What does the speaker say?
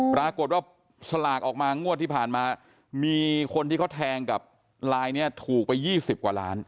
ปรากฏว่าสลากออกมางวดที่ผ่านมามีคนที่เขาแทงกับลายนี้ถูกไป๒๐กว่าล้าน